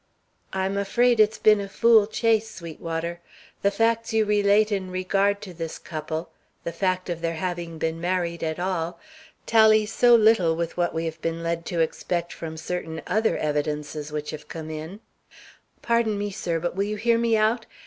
"I'm afraid it's been a fool chase, Sweetwater. The facts you relate in regard to this couple, the fact of their having been married at all, tally so little with what we have been led to expect from certain other evidences which have come in " "Pardon me, sir, but will you hear me out?